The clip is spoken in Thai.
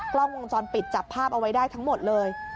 กล้องวงจรปิดจับภาพเอาไว้ได้ทั้งหมดเลย